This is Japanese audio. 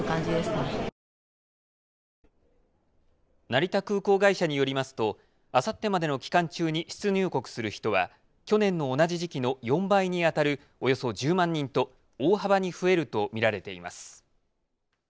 成田空港会社によりますとあさってまでの期間中に出入国する人は去年の同じ時期の４倍にあたるおよそ１０万人と大幅に増えると見られています。